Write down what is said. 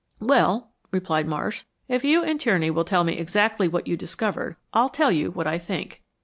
"Well," replied Marsh, "if you and Tierney will tell me exactly what you discovered, I'll tell you what I think."